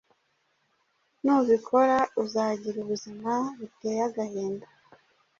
Nubikora uzagira ubuzima buteye agahinda!